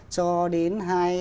cho đến hai nghìn